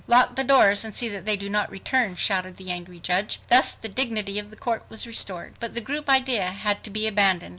"Lock the doors, and see that they do not return," shouted the angry judge. Thus the dignity of the court was restored. But the group idea had to be abandoned.